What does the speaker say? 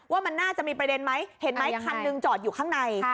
ว่ามันน่าจะมีประเด็นไหมเห็นไหมคันหนึ่งจอดอยู่ข้างใน